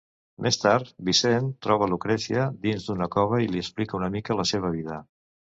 Més tard, Vincent troba Lucrecia dins d'una cova i li explica una mica la seva vida.